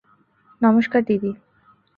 নমষ্কার, দিদি।